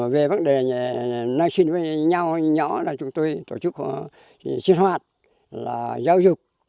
về vấn đề nơi sinh với nhau nhỏ là chúng tuy tổ chức sinh hoạt là giáo dục